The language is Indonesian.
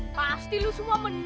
pasti lu semua menang